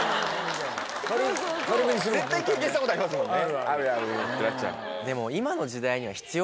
絶対経験したことありますもんね。